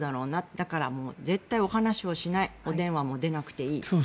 だから、絶対にお話をしない電話も出なくていい。